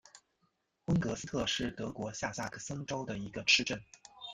温格斯特是德国下萨克森州的一个市镇。